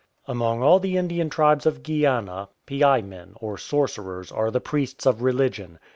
Among all the Indian tribes of Guiana piai men, or sorcerers, are the priests of religion.